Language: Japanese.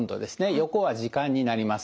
横は時間になります。